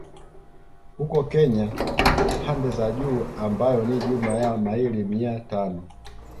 Huko Kenya pande za juu ambayo ni jumla ya maili mia tano